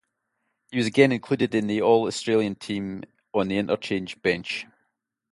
He was again included in the All Australian Team on the interchange bench.